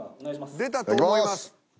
［出たと思います］